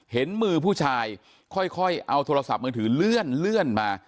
เห็นมือผู้ชายค่อยเอาโทรศัพท์มือถือเลื่อนมา